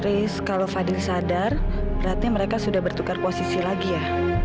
risk kalau fadil sadar berarti mereka sudah bertukar posisi lagi ya